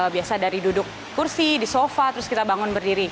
biasa dari duduk kursi di sofa terus kita bangun berdiri